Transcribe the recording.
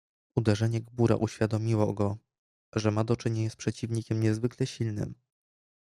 "Uderzenie gbura uświadomiło go, że ma do czynienia z przeciwnikiem niezwykle silnym."